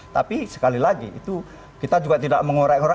tapi sekali lagi itu kita juga tidak mengorek ngoreng